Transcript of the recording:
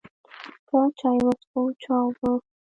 چا چای وڅښو، چا اوبه.